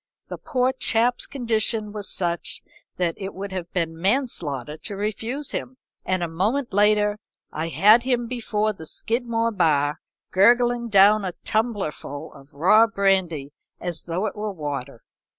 The poor chap's condition was such that it would have been manslaughter to refuse him, and a moment later I had him before the Skidmore bar, gurgling down a tumblerful of raw brandy as though it were water.